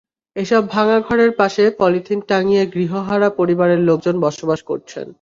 এসব ভাঙা ঘরের পাশে পলিথিন টাঙিয়ে গৃহহারা পরিবারের লোকজন বসবাস করছেন।